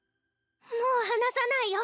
もう離さないよ。